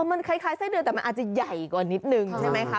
มันคล้ายไส้เดือนแต่มันอาจจะใหญ่กว่านิดนึงใช่ไหมคะ